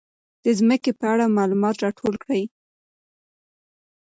د ځمکې په اړه معلومات راټول کړئ.